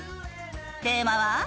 テーマは。